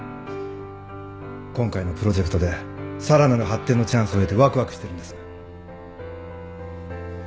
今回のプロジェクトでさらなる発展のチャンスを得てわくわくしてるんです。